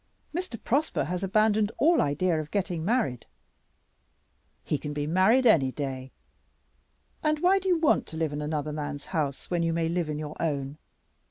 Mr. Prosper has abandoned all idea of getting married." "He can be married any day. And why do you want to live in another man's house when you may live in your own?